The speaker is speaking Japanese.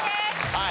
はい。